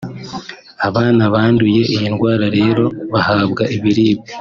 Abana banduye iyi ndwara rero bahabwa ibiribwa